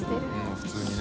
普通にね。